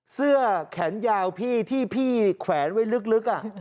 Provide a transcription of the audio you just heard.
เสื้อแขนยาวพี่ที่พี่แขวนไว้ลึก